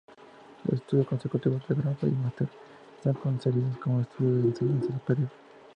Los estudios consecutivos de grado y máster están concebidos como estudios de enseñanza superior.